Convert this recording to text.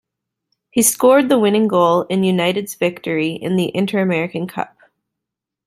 He scored the winning goal in United's victory in the Interamerican Cup.